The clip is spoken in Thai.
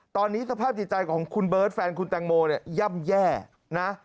ตอนนี้สภาพจิตใจของคุณเบิร์ตแฟนคุณแตงโมเนี่ยย่ำแย่นะ